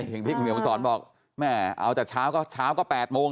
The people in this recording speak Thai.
อย่างที่คุณเหนียวมาสอนบอกแม่เอาแต่เช้าก็เช้าก็๘โมง